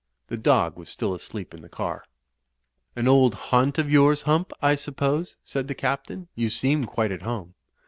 The dog was still asleep in the car. "An old haimt of yours. Hump, I suppose, said the Captain. ''You seem quite at home."